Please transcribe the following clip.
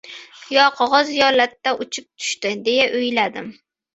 Yo, qog‘oz, yo, latta uchib tushdi, deya o‘yladim.